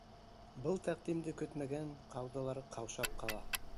Был тәҡдимде көтмәгән ҡауҙылар ҡаушап ҡала.